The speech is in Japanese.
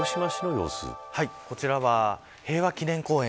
こちらは、平和記念公園。